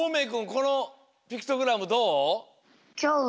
このピクトグラムどう？